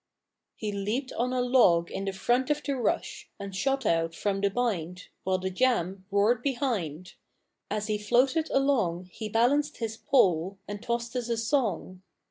He leaped on a log in the front of the rush, And shot out from the bind While the jam roared behind; As he floated along He balanced his pole And tossed us a song.